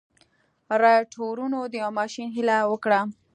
رايټ وروڼو د يوه ماشين هيله وکړه.